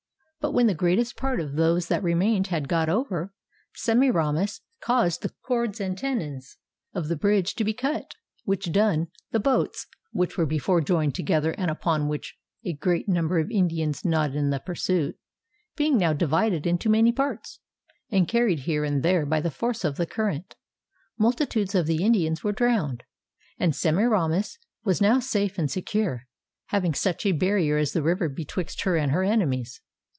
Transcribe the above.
But when the greatest part of those that remained had got over, Semiramis caused the cords and tenons of the bridge to be cut, which done, the boats (which were before joined together, and upon which was a great number of Indians not in the pursuit) being now divided into many parts, and carried here and there by the force of the current, multitudes of the Indians were drowned, and Semiramis was now safe and secure, having such a barrier as the river betwixt her and her enemies.